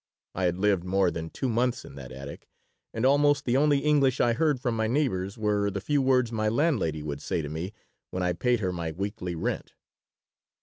I had lived more than two months in that attic, and almost the only English I heard from my neighbors were the few words my landlady would say to me when I paid her my weekly rent.